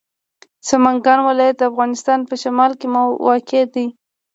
سمنګان ولایت د افغانستان په شمال کې واقع دی.